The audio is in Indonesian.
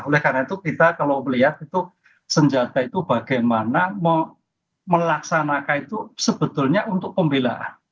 oleh karena itu kita kalau melihat itu senjata itu bagaimana melaksanakan itu sebetulnya untuk pembelaan